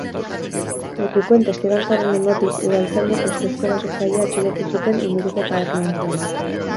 Lekukoen testigantzaren ondotik, udaltzainek ustezko erasotzailea atxilotu zuten inguruko taberna batean.